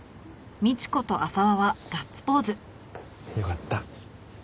よかった。